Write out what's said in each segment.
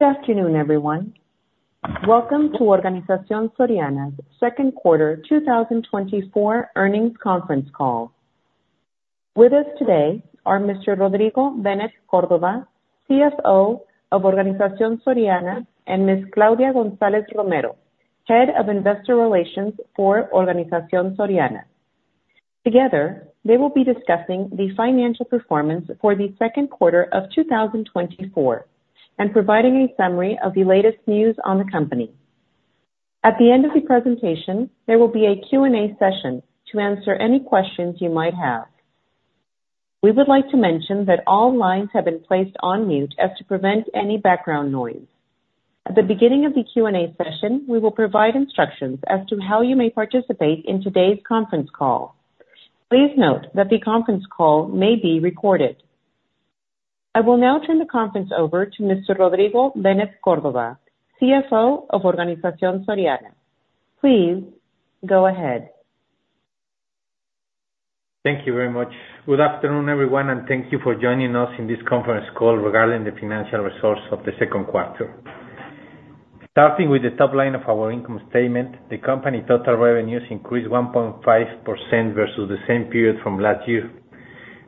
Good afternoon, everyone. Welcome to Organización Soriana's second quarter 2024 earnings conference call. With us today are Mr. Rodrigo Benet Córdoba, CFO of Organización Soriana, and Ms. Claudia González Romero, Head of Investor Relations for Organización Soriana. Together, they will be discussing the financial performance for the second quarter of 2024, and providing a summary of the latest news on the company. At the end of the presentation, there will be a Q&A session to answer any questions you might have. We would like to mention that all lines have been placed on mute as to prevent any background noise. At the beginning of the Q&A session, we will provide instructions as to how you may participate in today's conference call. Please note that the conference call may be recorded. I will now turn the conference over to Mr. Rodrigo Benet Córdoba, CFO of Organización Soriana. Please, go ahead. Thank you very much. Good afternoon, everyone, and thank you for joining us in this conference call regarding the financial results of the second quarter. Starting with the top line of our income statement, the company total revenues increased 1.5% versus the same period from last year,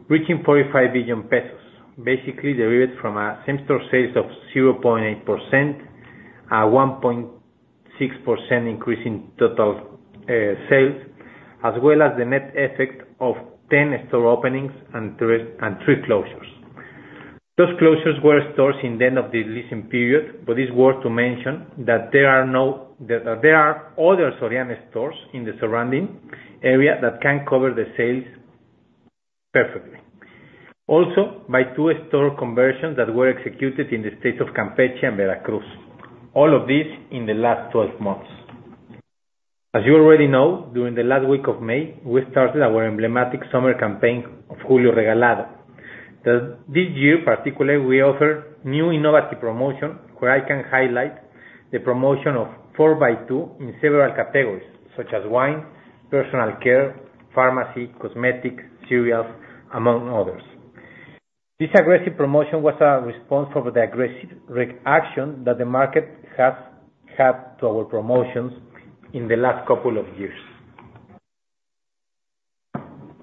reaching 45 billion pesos, basically derived from a same-store sales of 0.8%, 1.6% increase in total, sales, as well as the net effect of 10 store openings and three closures. Those closures were stores in the end of the leasing period, but it's worth to mention that there are other Soriana stores in the surrounding area that can cover the sales perfectly. Also, by two store conversions that were executed in the states of Campeche and Veracruz, all of this in the last 12 months. As you already know, during the last week of May, we started our emblematic summer campaign of Julio Regalado. This year, particularly, we offer new innovative promotion, where I can highlight the promotion of four by two in several categories, such as wine, personal care, pharmacy, cosmetic, cereals, among others. This aggressive promotion was a response over the aggressive reaction that the market has had to our promotions in the last couple of years.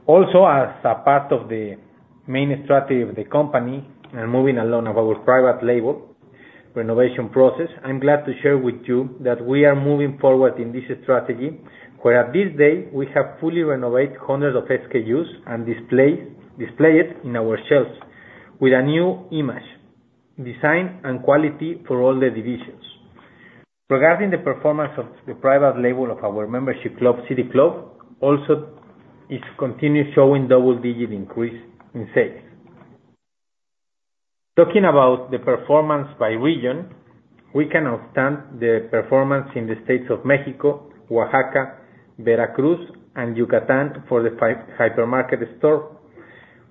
Also, as a part of the main strategy of the company, and moving along of our private label renovation process, I'm glad to share with you that we are moving forward in this strategy, where at this day, we have fully renovated hundreds of SKUs and display, display it in our shelves with a new image, design, and quality for all the divisions. Regarding the performance of the private label of our membership club, City Club, also it's continued showing double digit increase in sales. Talking about the performance by region, we cannot stand the performance in the states of Mexico, Oaxaca, Veracruz, and Yucatán for the hypermarket store.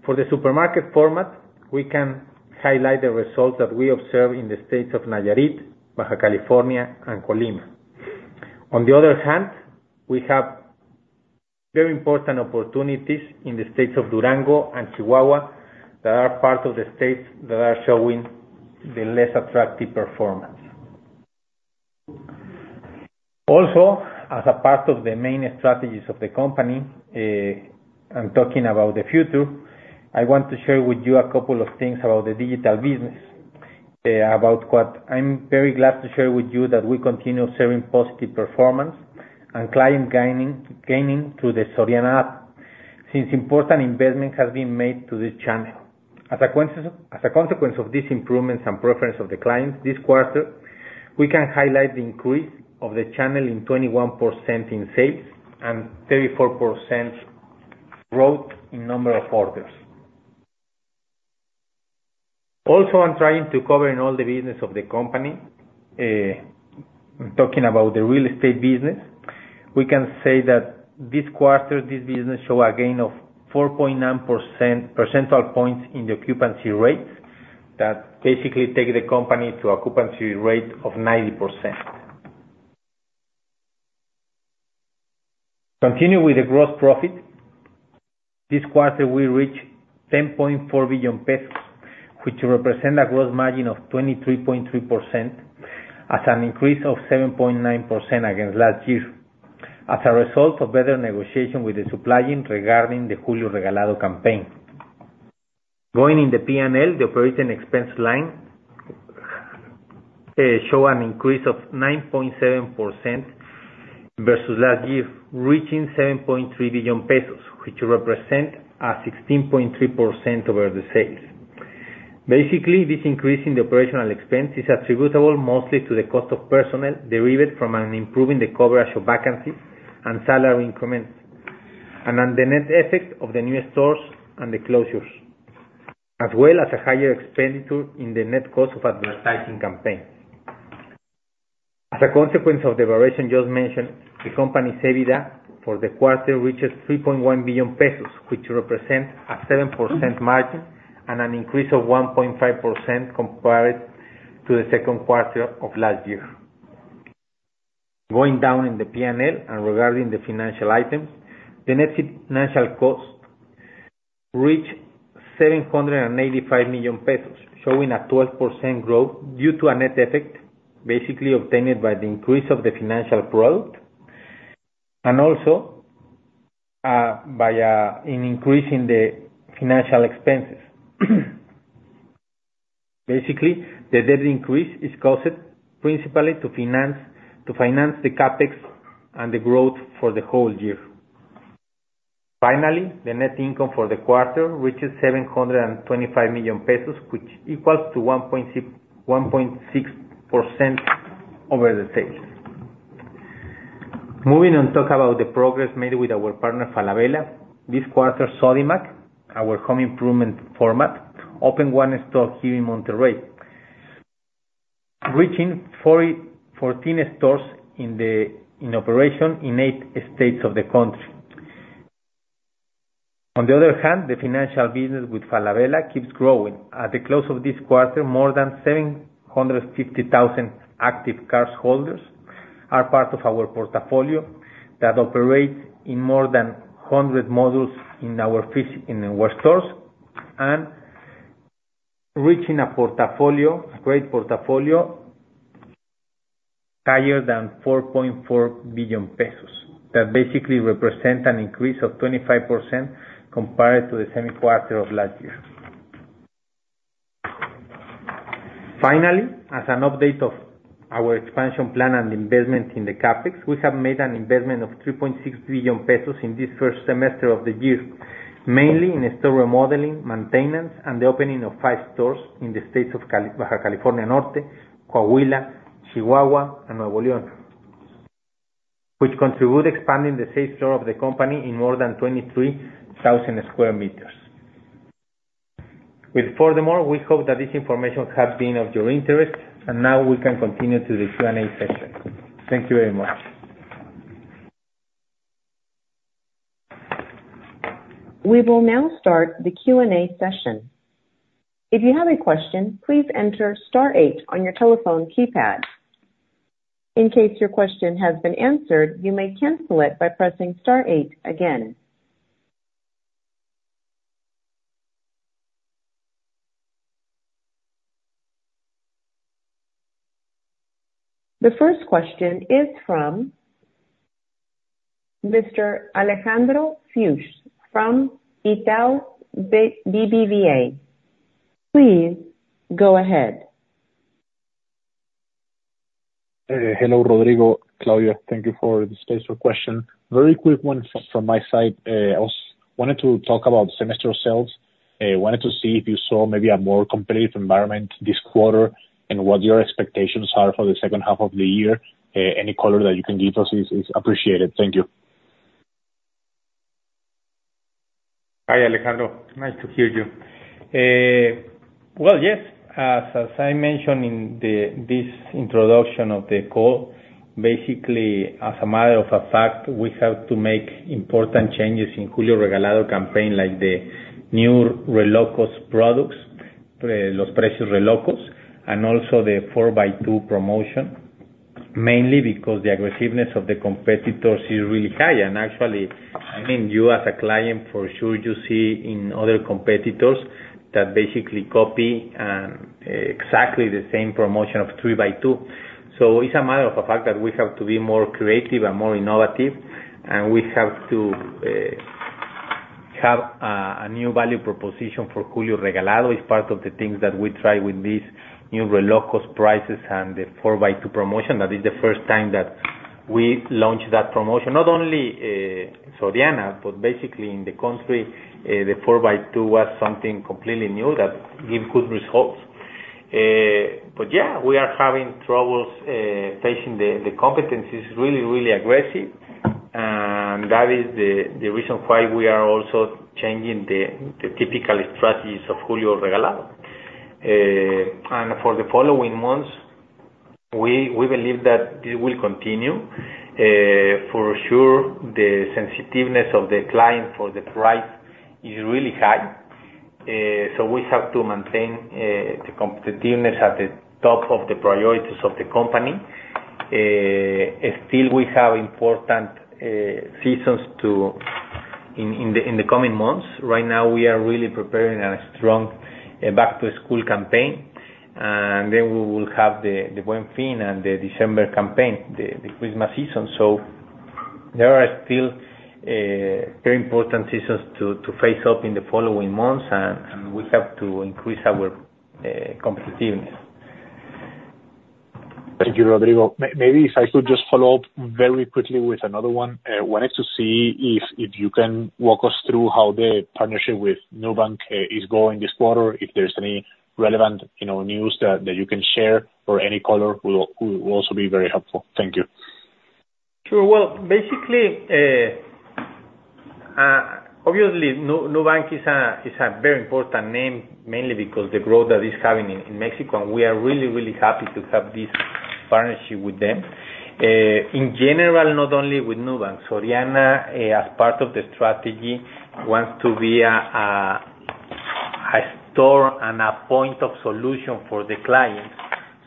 For the supermarket format, we can highlight the results that we observe in the states of Nayarit, Baja California, and Colima. On the other hand, we have very important opportunities in the states of Durango and Chihuahua that are part of the states that are showing the less attractive performance. Also, as a part of the main strategies of the company, I'm talking about the future, I want to share with you a couple of things about the digital business. About what I'm very glad to share with you that we continue serving positive performance and client gaining through the Soriana app, since important investment has been made to this channel. As a consequence of these improvements and preference of the clients this quarter, we can highlight the increase of the channel in 21% in sales and 34% growth in number of orders. Also, I'm trying to cover in all the business of the company, talking about the real estate business, we can say that this quarter, this business show a gain of 4.9 percentage points in the occupancy rate, that basically take the company to occupancy rate of 90%. Continue with the gross profit. This quarter, we reached 10.4 billion pesos, which represent a gross margin of 23.3%, as an increase of 7.9% against last year, as a result of better negotiation with the supplying regarding the Julio Regalado campaign. Going in the P&L, the operating expense line show an increase of 9.7% versus last year, reaching 7.3 billion pesos, which represent a 16.3% over the sales. Basically, this increase in the operational expense is attributable mostly to the cost of personnel derived from an improving the coverage of vacancies and salary increments, and on the net effect of the new stores and the closures, as well as a higher expenditure in the net cost of advertising campaign. As a consequence of the variation just mentioned, the company's EBITDA for the quarter reaches 3.1 billion pesos, which represent a 7% margin and an increase of 1.5% compared to the second quarter of last year. Going down in the P&L and regarding the financial items, the net financial cost reached 785 million pesos, showing a 12% growth due to a net effect, basically obtained by the increase of the financial product, and also by increasing the financial expenses. Basically, the debt increase is caused principally to finance the CapEx and the growth for the whole year. Finally, the net income for the quarter, which is 725 million pesos, which equals to 1.6% over the sales. Moving on, talk about the progress made with our partner, Falabella. This quarter, Sodimac, our home improvement format, opened 1 store here in Monterrey, reaching 14 stores in operation in eight states of the country. On the other hand, the financial business with Falabella keeps growing. At the close of this quarter, more than 750,000 active cardholders are part of our portfolio that operates in more than 100 modules in our stores, and reaching a portfolio, great portfolio, higher than 4.4 billion pesos. That basically represent an increase of 25% compared to the same quarter of last year. Finally, as an update of our expansion plan and investment in the CapEx, we have made an investment of 3.6 billion pesos in this first semester of the year, mainly in store remodeling, maintenance, and the opening of five stores in the states of Baja California Norte, Coahuila, Chihuahua, and Nuevo León, which contribute expanding the store base of the company in more than 23,000 square meters. Furthermore, we hope that this information has been of your interest, and now we can continue to the Q&A session. Thank you very much. We will now start the Q&A session. If you have a question, please enter star eight on your telephone keypad. In case your question has been answered, you may cancel it by pressing star eight again. The first question is from Mr. Alejandro Fusz from Itaú BBA. Please, go ahead. Hello, Rodrigo, Claudia. Thank you for the space for question. Very quick one from my side. I was wanting to talk about same-store sales. Wanted to see if you saw maybe a more competitive environment this quarter, and what your expectations are for the second half of the year. Any color that you can give us is appreciated. Thank you. Hi, Alejandro. Nice to hear you. Well, yes, as I mentioned in this introduction of the call, basically, as a matter of fact, we have to make important changes in Julio Regalado campaign, like the new Re-Locos products, Precios Re-Locos, and also the four by two promotion, mainly because the aggressiveness of the competitors is really high. And actually, I mean, you as a client, for sure, you see in other competitors that basically copy exactly the same promotion of four by two. So it's a matter of fact that we have to be more creative and more innovative, and we have to have a new value proposition for Julio Regalado. It's part of the things that we try with these new Re-Locos prices and the four by two promotion. That is the first time that we launched that promotion. Not only Soriana, but basically in the country, the four by two was something completely new that give good results. But yeah, we are having troubles facing the competitors really, really aggressive, and that is the reason why we are also changing the typical strategies of Julio Regalado. And for the following months, we believe that it will continue. For sure, the sensitiveness of the client for the price is really high, so we have to maintain the competitiveness at the top of the priorities of the company. Still, we have important seasons to... In the coming months. Right now, we are really preparing a strong back to school campaign, and then we will have the Buen Fin and the December campaign, the Christmas season. So there are still very important seasons to face up in the following months, and we have to increase our competitiveness. Thank you, Rodrigo. Maybe if I could just follow up very quickly with another one. Wanted to see if you can walk us through how the partnership with Nubank is going this quarter, if there's any relevant, you know, news that you can share or any color will also be very helpful. Thank you. Sure. Well, basically, obviously, Nubank is a very important name, mainly because the growth that is having in Mexico, and we are really, really happy to have this partnership with them. In general, not only with Nubank, Soriana, as part of the strategy, wants to be a store and a point of solution for the client.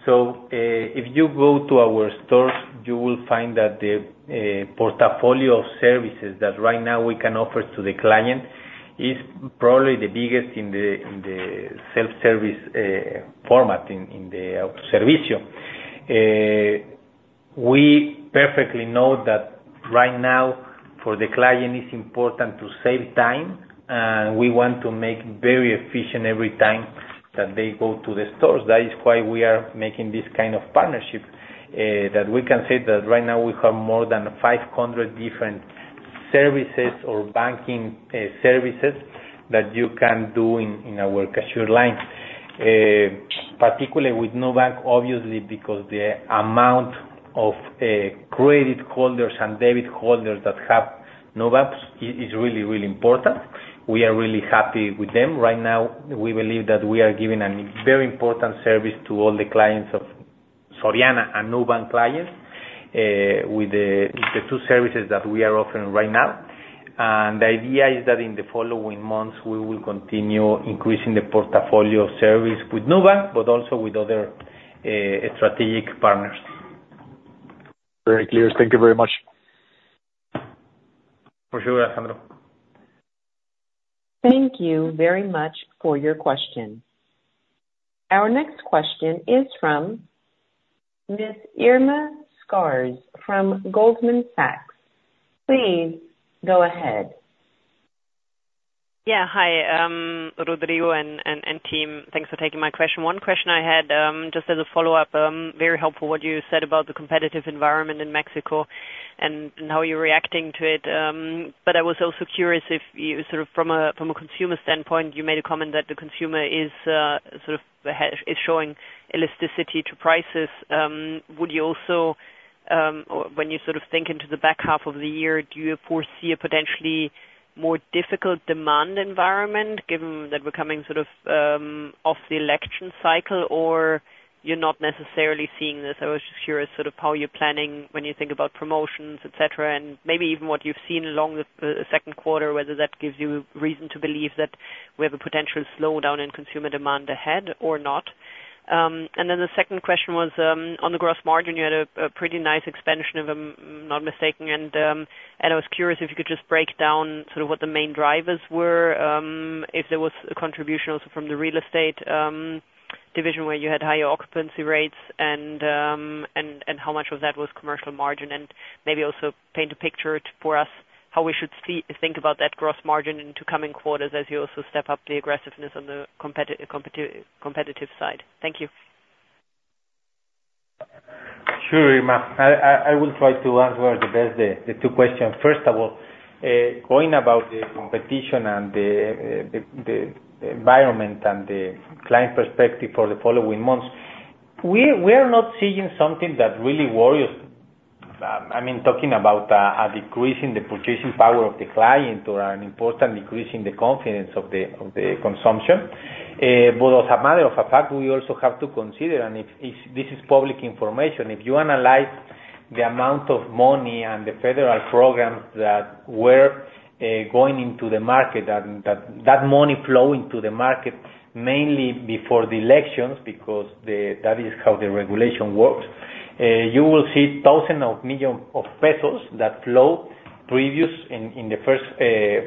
So, if you go to our stores, you will find that the portfolio of services that right now we can offer to the client is probably the biggest in the self-service format, in the servicio. We perfectly know that right now, for the client, it's important to save time, and we want to make very efficient every time that they go to the stores. That is why we are making this kind of partnership, that we can say that right now we have more than 500 different services or banking services that you can do in our cashier line. Particularly with Nubank, obviously, because the amount of credit holders and debit holders that have Nubank is really, really important. We are really happy with them. Right now, we believe that we are giving an very important service to all the clients of Soriana and Nubank clients, with the two services that we are offering right now. And the idea is that in the following months, we will continue increasing the portfolio service with Nubank, but also with other strategic partners. Very clear. Thank you very much. For sure, Alejandro. Thank you very much for your question. Our next question is from Miss Irma Sgarz, from Goldman Sachs. Please go ahead. Yeah, hi, Rodrigo and team. Thanks for taking my question. One question I had, just as a follow-up, very helpful what you said about the competitive environment in Mexico and how you're reacting to it. But I was also curious if you sort of from a consumer standpoint, you made a comment that the consumer is sort of is showing elasticity to prices. Would you also, or when you sort of think into the back half of the year, do you foresee a potentially more difficult demand environment, given that we're coming sort of off the election cycle, or you're not necessarily seeing this? I was just curious sort of how you're planning when you think about promotions, et cetera, and maybe even what you've seen along the second quarter, whether that gives you reason to believe that we have a potential slowdown in consumer demand ahead or not. And then the second question was on the gross margin. You had a pretty nice expansion, if I'm not mistaken, and I was curious if you could just break down sort of what the main drivers were, if there was a contribution also from the real estate division, where you had higher occupancy rates, and how much of that was commercial margin? Maybe also paint a picture for us, how we should think about that gross margin into coming quarters as you also step up the aggressiveness on the competitive side? Thank you. Sure, Irma. I will try to answer the best, the two questions. First of all, going about the competition and the environment and the client perspective for the following months, we are not seeing something that really worries us. I mean, talking about a decrease in the purchasing power of the client or an important decrease in the confidence of the consumption. But as a matter of fact, we also have to consider, and if this is public information, if you analyze the amount of money and the federal programs that were going into the market, and that money flowing to the market, mainly before the elections, because that is how the regulation works, you will see thousands of millions MXN that flow previously in the first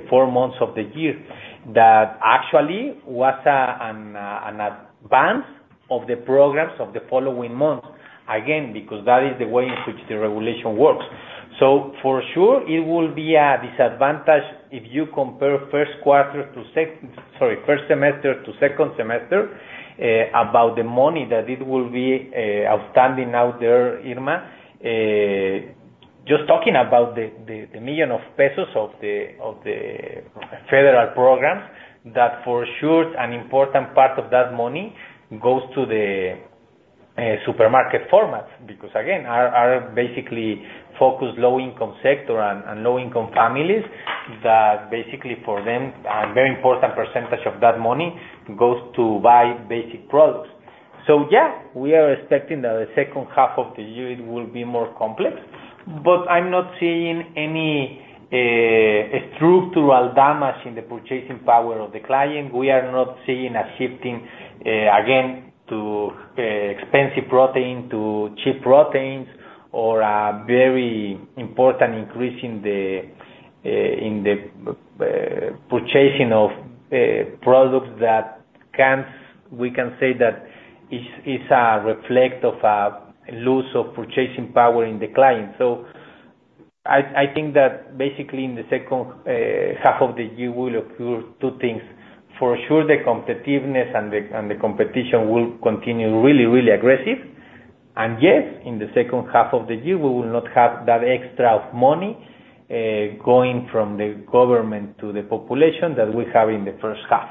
four months of the year. That actually was an advance of the programs of the following months, again, because that is the way in which the regulation works. So for sure, it will be a disadvantage if you compare first semester to second semester, sorry, about the money that it will be outstanding out there, Irma. Just talking about the million of pesos of the federal programs, that for sure, an important part of that money goes to the supermarket format. Because, again, we are basically focused low-income sector and low-income families, that basically for them, a very important percentage of that money goes to buy basic products. So yeah, we are expecting that the second half of the year it will be more complex, but I'm not seeing any structural damage in the purchasing power of the client. We are not seeing a shifting, again, to expensive protein, to cheap proteins, or a very important increase in the purchasing of products that we can say is a reflection of a loss of purchasing power in the client. So I think that basically in the second half of the year will occur two things: for sure, the competitiveness and the competition will continue really, really aggressive. And yes, in the second half of the year, we will not have that extra money going from the government to the population that we have in the first half.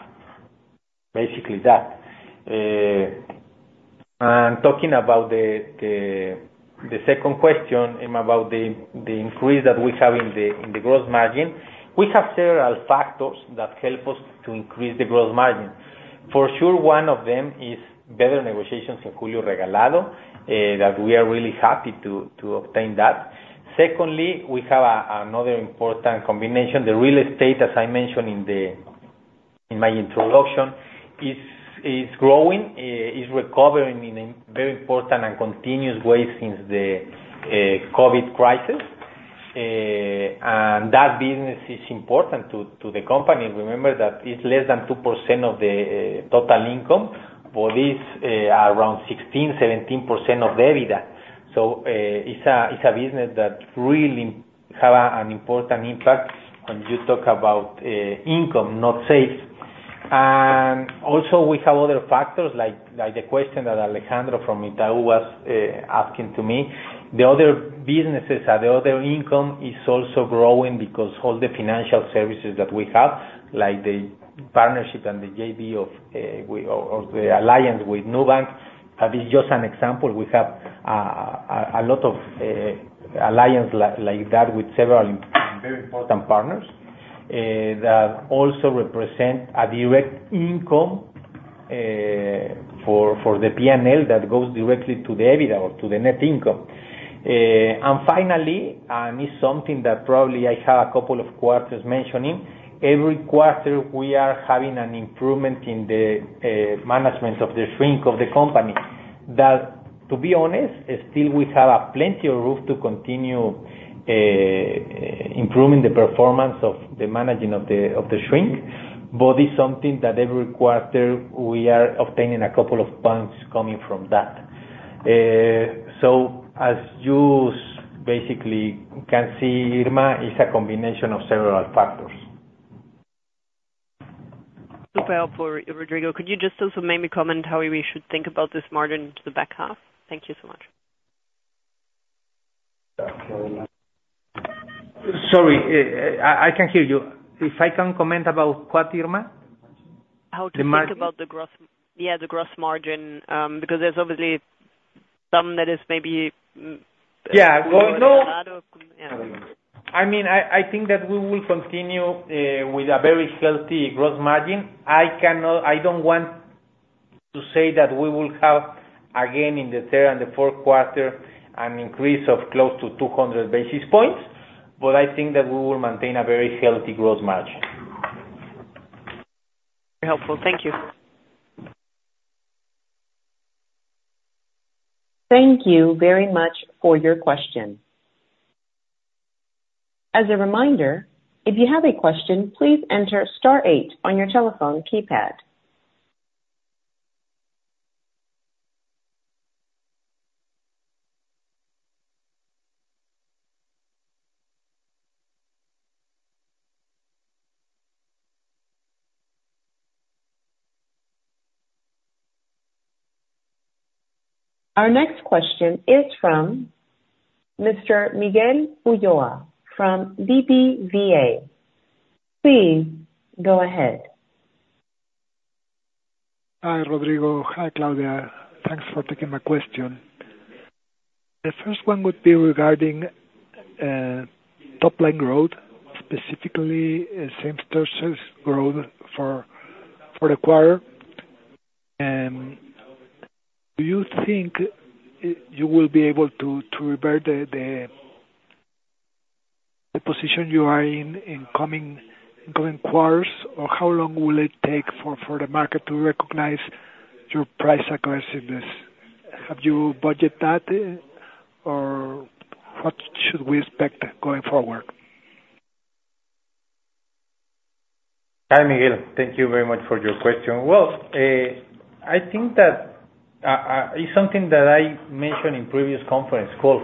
Basically, that. And talking about the second question, Irma, about the increase that we have in the gross margin, we have several factors that help us to increase the gross margin. For sure, one of them is better negotiations in Julio Regalado that we are really happy to obtain that. Secondly, we have another important combination, the real estate, as I mentioned in the-... In my introduction, is growing, is recovering in a very important and continuous way since the COVID crisis. And that business is important to, to the company. Remember that it's less than 2% of the total income, but it's around 16%-17% of the EBITDA. So, it's a, it's a business that really have an important impact when you talk about income, not sales. And also, we have other factors like, like the question that Alejandro from Itaú was asking to me. The other businesses or the other income is also growing because all the financial services that we have, like the partnership and the JV of, or, or the alliance with Nubank, that is just an example. We have a lot of alliances like that with several very important partners that also represent a direct income for the P&L that goes directly to the EBITDA or to the net income. And finally, and it's something that probably I have a couple of quarters mentioning, every quarter we are having an improvement in the management of the shrink of the company. That, to be honest, still we have plenty of room to continue improving the performance of the managing of the shrink, but it's something that every quarter we are obtaining a couple of points coming from that. So as you basically can see, Irma, it's a combination of several factors. Super helpful, Rodrigo. Could you just also maybe comment how we should think about this margin to the back half? Thank you so much. Sorry, I can't hear you. If I can comment about what, Irma? How to think- The margin? -about the gross... Yeah, the gross margin, because there's obviously some that is maybe, Yeah. Well, no- Yeah. I mean, I think that we will continue with a very healthy gross margin. I cannot, I don't want to say that we will have, again, in the third and the fourth quarter, an increase of close to 200 basis points, but I think that we will maintain a very healthy gross margin. Helpful. Thank you. Thank you very much for your question. As a reminder, if you have a question, please enter star eight on your telephone keypad. Our next question is from Mr. Miguel Ulloa from BBVA. Please go ahead. Hi, Rodrigo. Hi, Claudia. Thanks for taking my question. The first one would be regarding top line growth, specifically, same-store sales growth for the quarter. Do you think you will be able to revert the position you are in in coming quarters? Or how long will it take for the market to recognize your price aggressiveness? Have you budget that, or what should we expect going forward? Hi, Miguel. Thank you very much for your question. Well, I think that, it's something that I mentioned in previous conference call.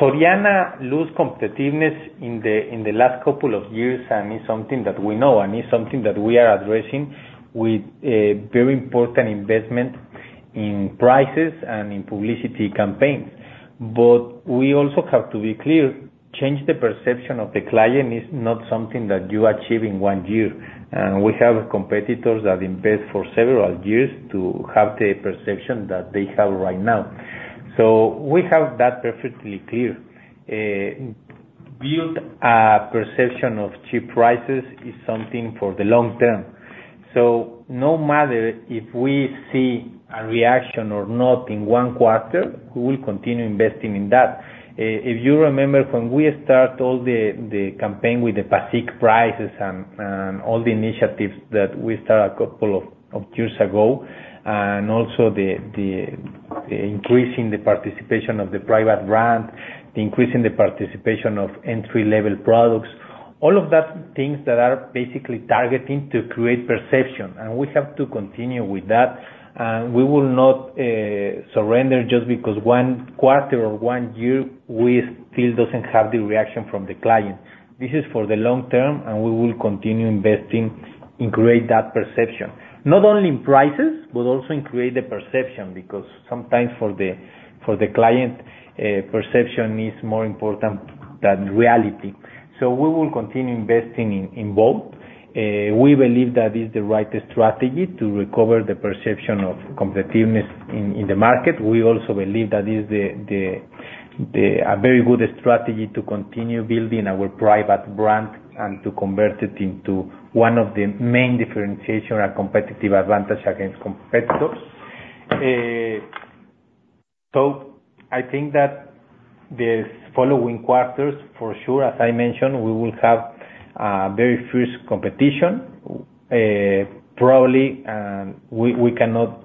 Soriana lose competitiveness in the last couple of years, and it's something that we know, and it's something that we are addressing with a very important investment in prices and in publicity campaign. But we also have to be clear, change the perception of the client is not something that you achieve in one year, and we have competitors that invest for several years to have the perception that they have right now. So we have that perfectly clear. Build a perception of cheap prices is something for the long term. So no matter if we see a reaction or not in one quarter, we will continue investing in that. If you remember, when we start all the campaign with the basic prices and all the initiatives that we start a couple of years ago, and also the increasing the participation of the private brand, increasing the participation of entry-level products, all of that things that are basically targeting to create perception, and we have to continue with that. And we will not surrender just because one quarter or one year, we still doesn't have the reaction from the client. This is for the long term, and we will continue investing in create that perception. Not only in prices, but also in create the perception, because sometimes for the client, perception is more important than reality. So we will continue investing in both. We believe that is the right strategy to recover the perception of competitiveness in the market. We also believe that is a very good strategy to continue building our private brand and to convert it into one of the main differentiation and competitive advantage against competitors. So I think that the following quarters, for sure, as I mentioned, we will have very fierce competition, probably, and we cannot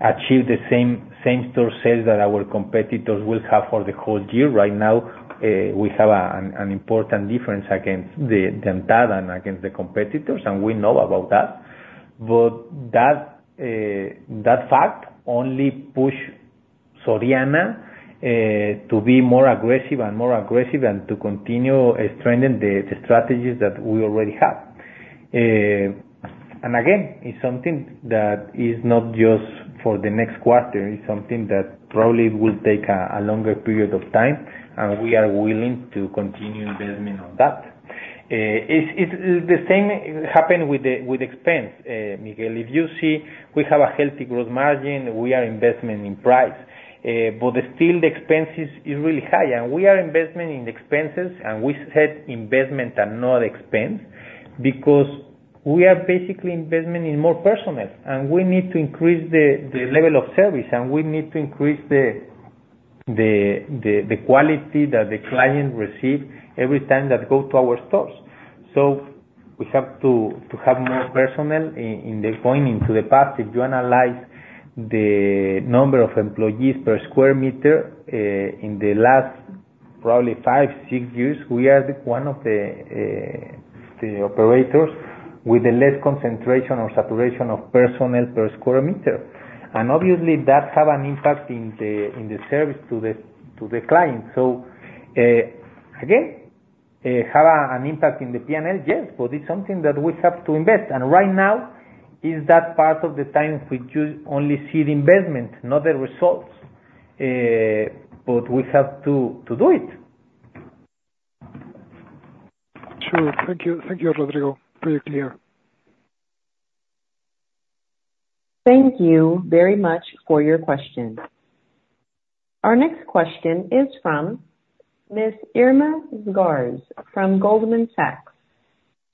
achieve the same-store sales that our competitors will have for the whole year. Right now, we have an important difference against the than that and against the competitors, and we know about that. But that fact only push Soriana to be more aggressive and more aggressive and to continue strengthening the strategies that we already have. And again, it's something that is not just for the next quarter, it's something that probably will take a longer period of time, and we are willing to continue investing on that. It's the same happened with the expense, Miguel. If you see, we have a healthy gross margin, we are investing in price, but still the expenses is really high. And we are investing in expenses, and we said investment and not expense, because we are basically investing in more personnel, and we need to increase the level of service, and we need to increase the quality that the client receives every time that go to our stores. So we have to have more personnel in the point. Into the past, if you analyze the number of employees per square meter, in the last probably five, six years, we are the one of the, the operators with the less concentration or saturation of personnel per square meter. And obviously, that have an impact in the, in the service to the, to the client. So, again, have a, an impact in the P&L, yes, but it's something that we have to invest. And right now is that part of the time we just only see the investment, not the results, but we have to, to do it. Sure. Thank you, thank you, Rodrigo. Very clear. Thank you very much for your question. Our next question is from Miss Irma Sgarz, from Goldman Sachs.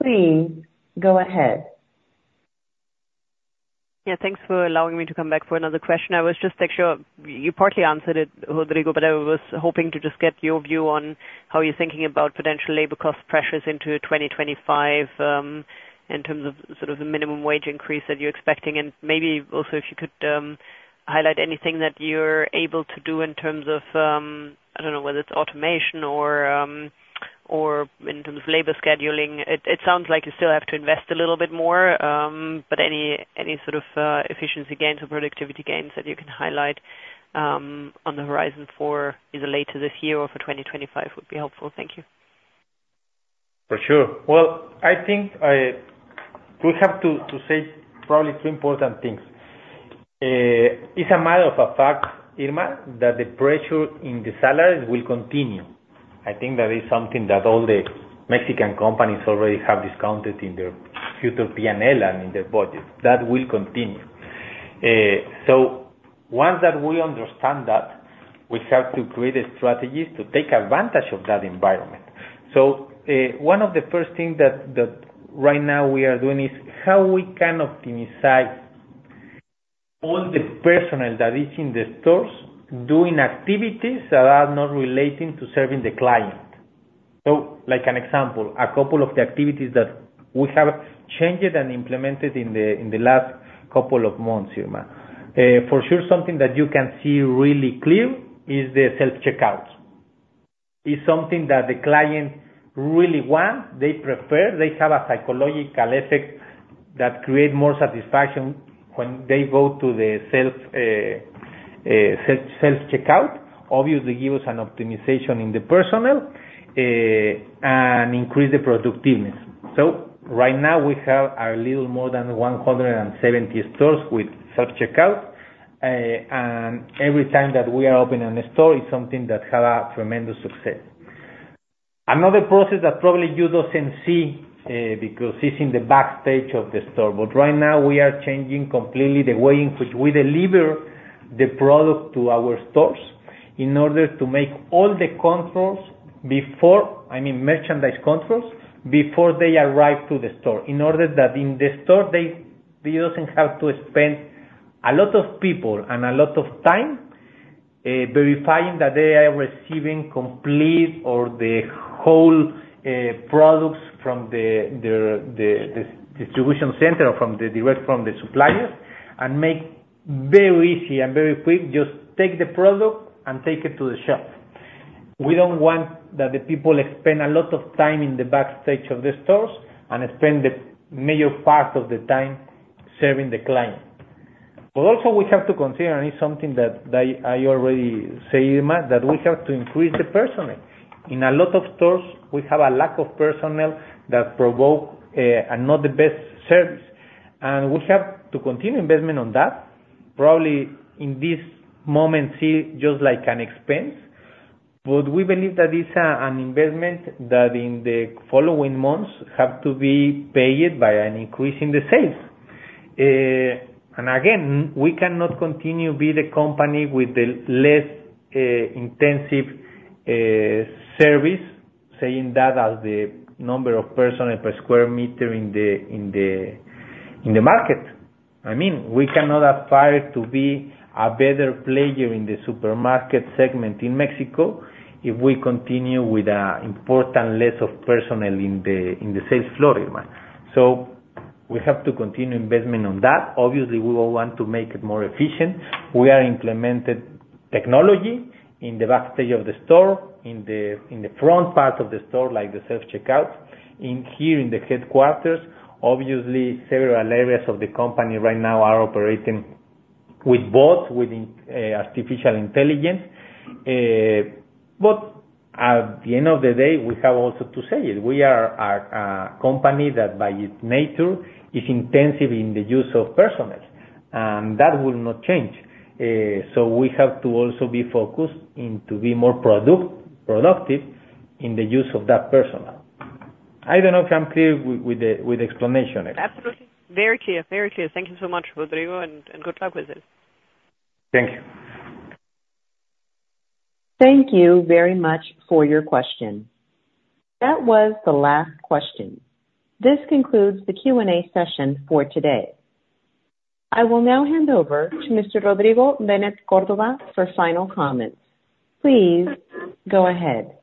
Please go ahead. Yeah, thanks for allowing me to come back for another question. I was just actually. You partly answered it, Rodrigo, but I was hoping to just get your view on how you're thinking about potential labor cost pressures into 2025, in terms of sort of the minimum wage increase that you're expecting, and maybe also if you could highlight anything that you're able to do in terms of, I don't know, whether it's automation or or in terms of labor scheduling. It sounds like you still have to invest a little bit more, but any sort of efficiency gains or productivity gains that you can highlight on the horizon for either later this year or for 2025 would be helpful. Thank you. For sure. Well, I think, I, we have to, to say probably two important things. It's a matter of a fact, Irma, that the pressure in the salaries will continue. I think that is something that all the Mexican companies already have discounted in their future P&L and in their budget. That will continue. So once that we understand that, we have to create a strategy to take advantage of that environment. So, one of the first things that, that right now we are doing is how we can optimize all the personnel that is in the stores, doing activities that are not relating to serving the client. So, like an example, a couple of the activities that we have changed and implemented in the, in the last couple of months, Irma. For sure, something that you can see really clear is the self-checkouts. It's something that the clients really want, they prefer. They have a psychological effect that create more satisfaction when they go to the self-checkout. Obviously, gives an optimization in the personnel, and increase the productiveness. So right now, we have a little more than 170 stores with self-checkout, and every time that we are opening a store, it's something that have a tremendous success. Another process that probably you doesn't see, because it's in the backstage of the store, but right now we are changing completely the way in which we deliver the product to our stores, in order to make all the controls before, I mean, merchandise controls, before they arrive to the store, in order that in the store, they doesn't have to spend a lot of people and a lot of time verifying that they are receiving complete or the whole products from the distribution center or direct from the suppliers, and make very easy and very quick, just take the product and take it to the shelf. We don't want that the people spend a lot of time in the backstage of the stores, and spend the major part of the time serving the client. But also we have to consider, and it's something that I, I already said, Irma, that we have to increase the personnel. In a lot of stores, we have a lack of personnel that provoke not the best service, and we have to continue investment on that. Probably, in this moment, see just like an expense, but we believe that it's a, an investment that in the following months, have to be paid by an increase in the sales. And again, we cannot continue to be the company with the less intensive service, saying that as the number of personnel per square meter in the, in the, in the market. I mean, we cannot aspire to be a better player in the supermarket segment in Mexico if we continue with a important less of personnel in the, in the sales floor, Irma. So we have to continue investment on that. Obviously, we will want to make it more efficient. We are implemented technology in the backstage of the store, in the, in the front part of the store, like the self-checkout. In here, in the headquarters, obviously, several areas of the company right now are operating with both, with, artificial intelligence. But at the end of the day, we have also to say it, we are a, a company that, by its nature, is intensive in the use of personnel, and that will not change. So we have to also be focused and to be more productive in the use of that personnel. I don't know if I'm clear with, with the, with the explanation. Absolutely. Very clear. Very clear. Thank you so much, Rodrigo, and, and good luck with it. Thank you. Thank you very much for your question. That was the last question. This concludes the Q&A session for today. I will now hand over to Mr. Rodrigo Benet Córdoba for final comments. Please go ahead.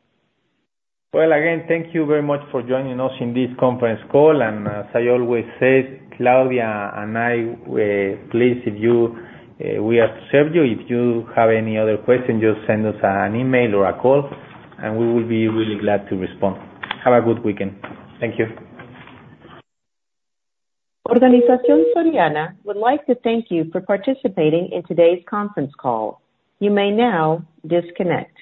Well, again, thank you very much for joining us in this conference call. As I always say, Claudia and I were pleased if you. We have served you. If you have any other questions, just send us an email or a call, and we will be really glad to respond. Have a good weekend. Thank you. Organización Soriana would like to thank you for participating in today's conference call. You may now disconnect.